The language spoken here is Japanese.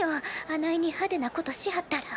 あないにハデなことしはったら。